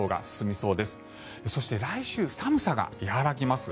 そして、来週寒さが和らぎます。